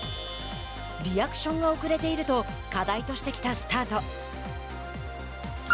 リアクションが遅れていると課題としてきたスタート。